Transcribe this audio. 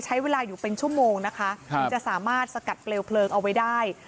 ใช้เวลาอยู่เป็นชั่วโมงนะคะถึงจะสามารถสกัดเปลวเพลิงเอาไว้ได้